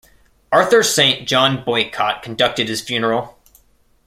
Arthur Saint John Boycott conducted his funeral.